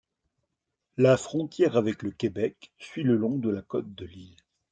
La frontière avec le Québec suit le long de la côte de l'île.